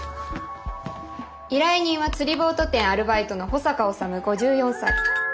依頼人は釣りボート店アルバイトの保坂修５４歳。